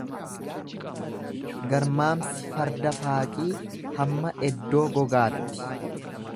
Garmaamsi farda faaqii hamma eddoo gogaatti.